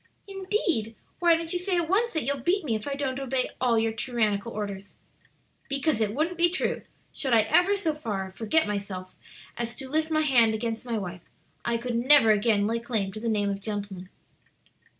"Indeed! Why don't you say at once that you'll beat me if I don't obey all your tyrannical orders?" "Because it wouldn't be true; should I ever so far forget myself as to lift my hand against my wife, I could never again lay claim to the name of gentleman."